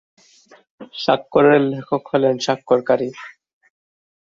স্বাক্ষরের লেখক হলেন স্বাক্ষরকারী।